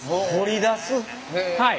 はい。